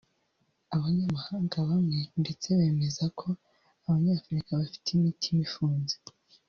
Abanyamahanga bamwe ndetse bemeza ko Abanyafurika bafite imitima ifunze